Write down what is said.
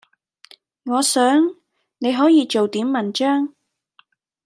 “我想，你可以做點文章……”